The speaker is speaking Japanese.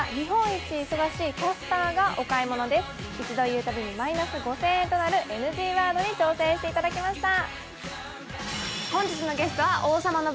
一度言うたびにマイナス５０００円となるＮＧワードにご挑戦いただきました。